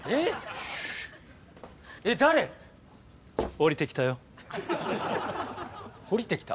「降りてきた」？